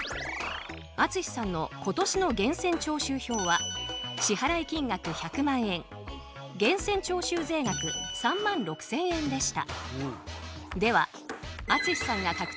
アツシさんの今年の源泉徴収票は支払金額１００万円源泉徴収税額３万６，０００円でした。